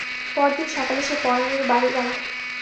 পরদিন সকালে সে পরানের বাড়ি গেল।